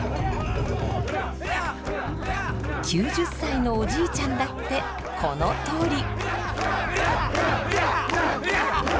９０歳のおじいちゃんだってこのとおり。